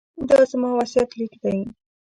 دا زما وصیت لیک دی.